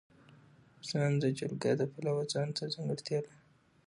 افغانستان د جلګه د پلوه ځانته ځانګړتیا لري.